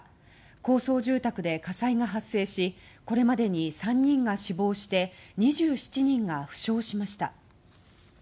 高層住宅で火災が発生しこれまでに３人が死亡して２７人が負傷しました。